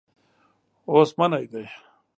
اوس منی دی.